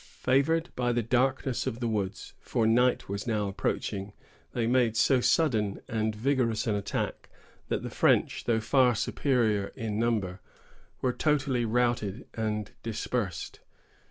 Favored by the darkness of the woods,——for night was now approaching,——they made so sudden and vigorous an attack, that the French, though far superior in number, were totally routed and dispersed.